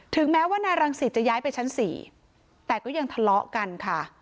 แม้ว่านายรังสิตจะย้ายไปชั้น๔แต่ก็ยังทะเลาะกันค่ะ